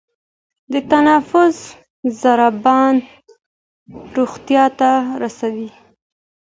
د تنفس زیان روغتیا ته رسوي.